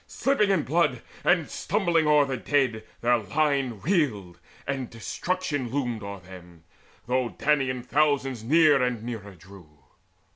] Slipping in blood and stumbling o'er the dead [Their line reeled,] and destruction loomed o'er them, Though Danaan thousands near and nearer drew.